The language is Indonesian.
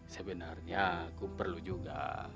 sebenarnya aku perlu juga